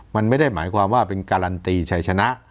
มันไม่ได้หมายความว่าเป็นการันตีชัยชนะ